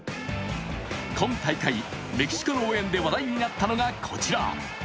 今大会、メキシコの応援で話題になったのがこちら。